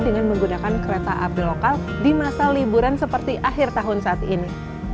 dengan menggunakan kereta api lokal di masa liburan seperti akhir tahun saat ini